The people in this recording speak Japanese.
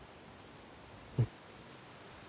うん。